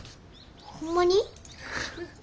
ホンマに？